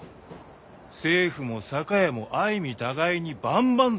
政府も酒屋も相身互いに万々歳。